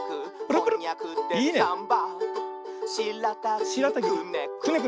「こんにゃくでサンバ！」